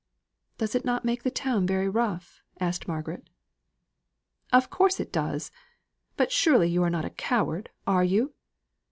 "Does it make the town very rough?" asked Margaret. "Of course it does. But surely you are not a coward, are you?